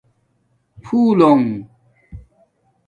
پھّݸ لنݣ